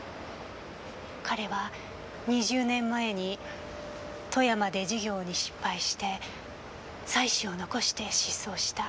彼は２０年前に富山で事業に失敗して妻子を残して失踪した。